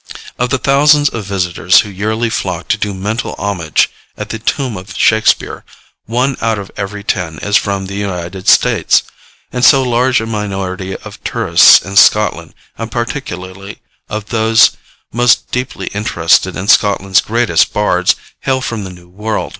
Of the thousands of visitors who yearly flock to do mental homage at the tomb of Shakespeare, one out of every ten is from the United States; and so a large minority of the tourists in Scotland, and particularly of those most deeply interested in Scotland's greatest bards, hail from the New World.